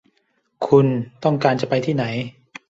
คุณต้องการจะไปที่ไหน